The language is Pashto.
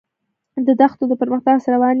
د دښتو د پرمختګ هڅې روانې دي.